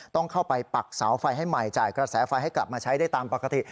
ต้องเข้าไปปักเสาไฟให้ใหม่จ่ายกระแสไฟให้กลับมาใช้ได้ตามปกติ